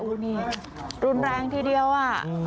นี่รุนแรงทีเดียวอ่ะ